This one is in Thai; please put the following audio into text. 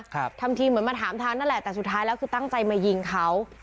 ทำทีเหมือนมาถามทางนั่นแหละแต่สุดท้ายแล้วคือตั้งใจมายิงเขา